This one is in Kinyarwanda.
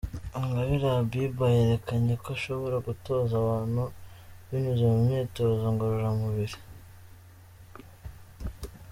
Ingabire Habibah yerekanye ko ashobora gutoza abantu binyuze mu myitozo ngororamubiri.